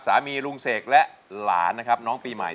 ลุงเสกและหลานนะครับน้องปีใหม่